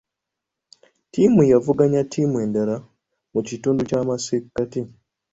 Ttiimu yavuganya ttiimu endala mu kitundu ky'amasekkati.